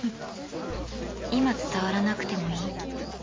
［今伝わらなくてもいい］